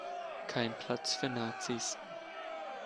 Kein Platz für Nazis.